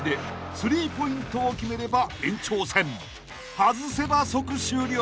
［外せば即終了］